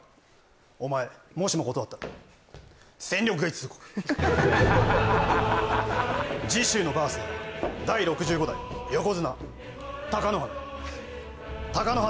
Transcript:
お前もしも断ったら戦力外通告次週の「バース・デイ」は第６５代横綱貴乃花貴乃花